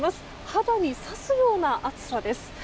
肌に刺すような暑さです。